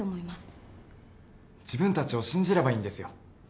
自分たちを信じればいいんですよ。